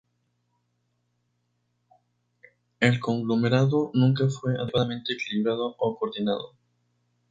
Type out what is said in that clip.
El conglomerado nunca fue adecuadamente equilibrado o coordinado.